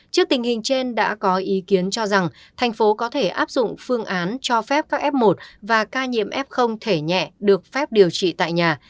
trước tình hình trên đã có ý kiến cho rằng thành phố có thể áp dụng phương án cho phép các f một và ca nhiễm f thể nhẹ được phép điều trị tại nhà